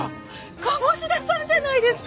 鴨志田さんじゃないですか！